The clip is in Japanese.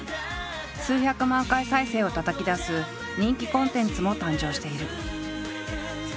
数百万回再生をたたきだす人気コンテンツも誕生している。